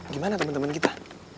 gimana temen temen kita